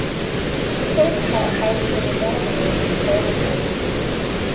The current tower houses a memorial for fallen Titans.